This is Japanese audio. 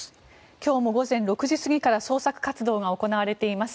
今日も午前６時過ぎから捜索活動が行われています。